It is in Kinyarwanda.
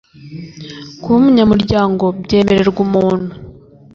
Kuba umunyamuryango byemererwa umuntu